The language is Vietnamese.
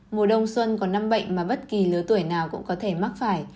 mùa đông xuân còn năm bệnh mà bất kỳ lứa tuổi nào cũng có thể mắc phải